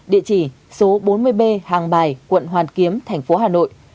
địa chỉ số bốn mươi b hàng bài quận hoàn kiếm tp hà nội